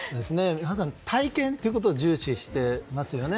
皆さん、体験ということを重視していますよね。